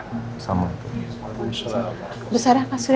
udah sarang masudah saya dulu nanti ya